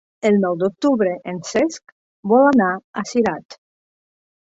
El nou d'octubre en Cesc vol anar a Cirat.